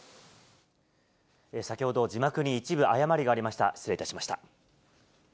先ほど、字幕に一部誤りがありました、失礼いたしました。